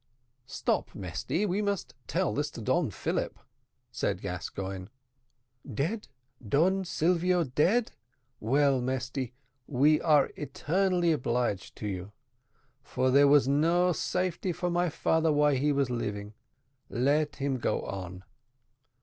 "Stop, Mesty, we must tell this to Don Philip," said Gascoigne. "Dead, Don Silvio dead! well, Mesty, we are eternally obliged to you, for there was no safety for my father while he was living. Let him go on."